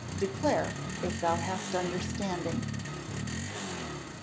declare, if thou hast understanding."